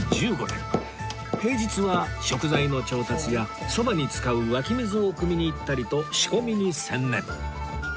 平日は食材の調達や蕎麦に使う湧き水をくみに行ったりと仕込みに専念